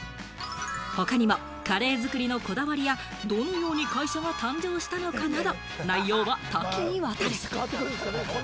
他にもカレー作りのこだわりや、どのように会社が誕生したかなど、内容は多岐にわたる。